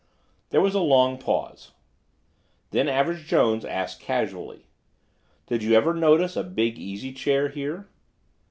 '" There was a long pause. Then Average Jones asked casually: "Did you ever notice a big easy chair here?"